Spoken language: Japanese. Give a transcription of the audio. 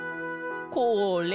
これ。